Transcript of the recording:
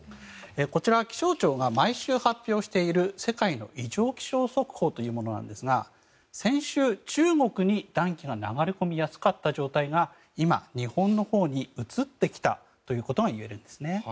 こちら気象庁が毎週発表している世界の異常気象速報というものなんですが先週、中国に暖気が流れ込みやすかった状態が今、日本のほうに移ってきたということが言えるんですね。